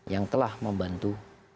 yang telah membantu